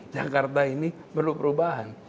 jakarta ini perlu perubahan